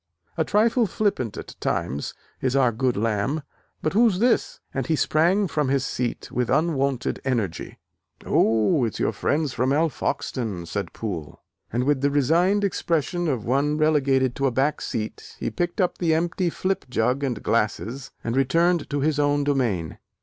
A trifle flippant at times, is our good Lamb.... But who's this?" and he sprang from his seat with unwonted energy. "Oh, it's your friends from Alfoxden," said Poole: and, with the resigned expression of one relegated to a back seat, he picked up the empty flip jug and glasses, and returned to his own domain.